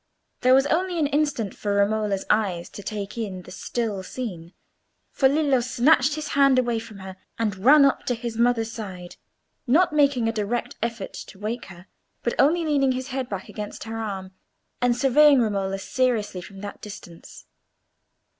There was only an instant for Romola's eyes to take in that still scene; for Lillo snatched his hand away from her and ran up to his mother's side, not making any direct effort to wake her, but only leaning his head back against her arm, and surveying Romola seriously from that distance.